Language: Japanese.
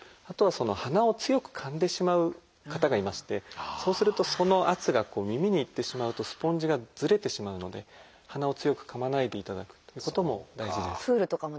あとははなを強くかんでしまう方がいましてそうするとその圧が耳に行ってしまうとスポンジがずれてしまうのではなを強くかまないでいただくということも大事です。